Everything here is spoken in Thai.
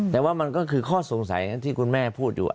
แต่ว่ามันก็คือข้อสงสัยที่คุณแม่พูดอยู่